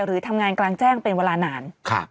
หรือทำงานกลางแจ้งเป็นเวลานาน